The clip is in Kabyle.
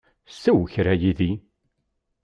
Sew kra yid-i.